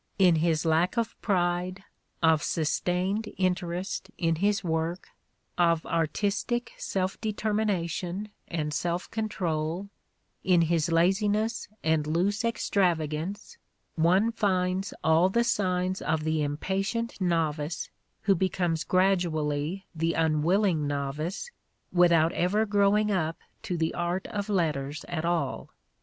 In his lack of pride, of sustained interest, in his work, of artistic self determina tion and self control, in his laziness and loose extrava gance one finds all the signs of the impatient novice who becomes gradually the unwilling no\iee, without ever growing up to the art of letters at all.